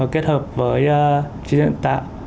kết hợp với chính nền tảng